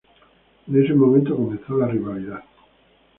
En ese momento comenzó la rivalidad.